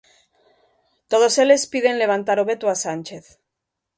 Todos eles piden levantar o veto a Sánchez.